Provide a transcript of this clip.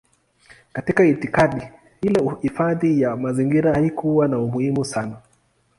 Katika itikadi ile hifadhi ya mazingira haikuwa na umuhimu sana.